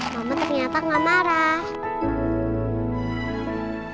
mama ternyata gak marah